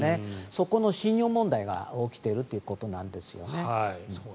そこの信用問題が起きているということなんですよね。